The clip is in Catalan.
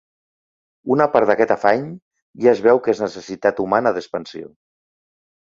Una part d'aquest afany, ja es veu que és necessitat humana d'expansió.